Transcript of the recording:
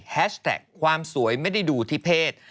แท็กความสวยไม่ได้ดูที่เพศ